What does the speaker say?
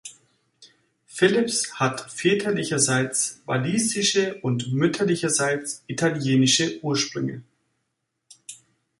Phillips hat väterlicherseits walisische und mütterlicherseits italienische Ursprünge.